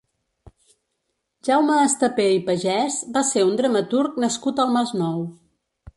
Jaume Estapé i Pagès va ser un dramaturg nascut al Masnou.